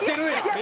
や。